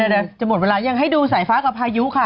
เดี๋ยวจะหมดเวลายังให้ดูสายฟ้ากับพายุค่ะ